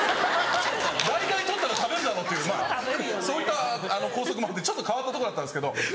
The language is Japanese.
大体採ったら食べるだろっていうそういった校則もあるんでちょっと変わったとこだったんですけど。